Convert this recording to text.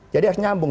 jadi harus nyambung